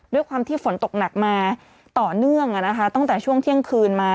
ด้วยความที่ฝนตกหนักมาต่อเนื่องตั้งแต่ช่วงเที่ยงคืนมา